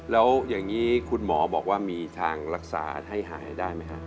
แล้วอย่างนี้คุณหมอบอกว่ามีทางรักษาให้หายได้ไหมครับ